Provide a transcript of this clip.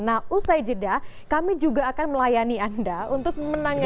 nah usai jeda kami juga akan melayani anda untuk menangani